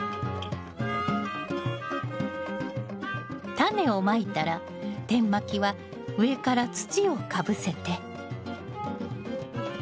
タネをまいたら点まきは上から土をかぶせて。